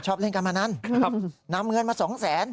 ชอบเล่นกับมันนั้นน้ำเงินมาสองแสน